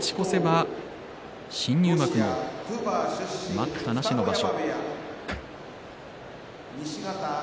勝ち越せば新入幕待ったなしの場所。